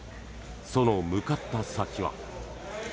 その向かった先は。